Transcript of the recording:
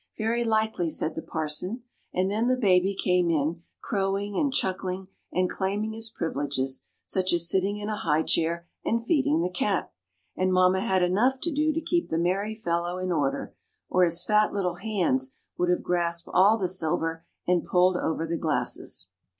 "Very likely," said the parson. And then the baby came in, crowing and chuckling, and claiming his privileges, such as sitting in a high chair and feeding the cat, and mamma had enough to do to keep the merry fellow in order, or his fat little hands would have grasped all the silver, and pulled over the glasses.